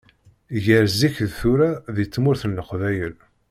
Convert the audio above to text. Gar zik d tura deg tmurt n leqbayel.